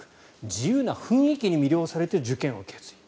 自由な雰囲気に魅了されて受験を決意。